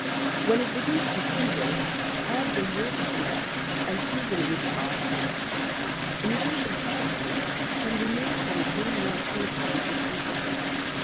When it begins to sizzle add the yolk of an egg and season with parsley. Imitation parsley can be made from green wall paper with the scissors.